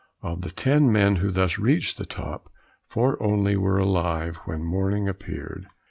Of the ten who thus reached the top, four only were alive when morning appeared.